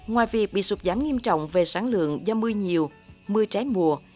ngoài việc bị sụp gián nghiêm trọng về sáng lượng do mưa nhiều mưa trái mùa